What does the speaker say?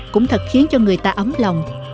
cũng thật khiến cho người ta ấm lòng